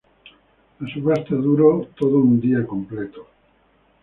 La subasta duro todo un día completo.